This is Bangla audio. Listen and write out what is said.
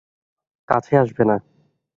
কাছে আসবে না।